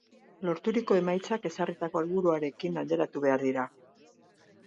Lorturiko emaitzak, ezarritako helburuarekin alderatu behar dira.